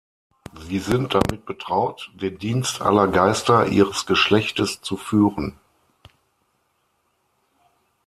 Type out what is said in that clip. Sie sind damit betraut, den Dienst aller Geister ihres Geschlechtes zu führen.